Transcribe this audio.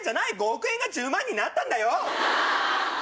５億円が１０万になったんだよ！